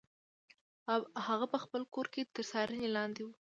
هغه په خپل کور کې تر څارنې لاندې و.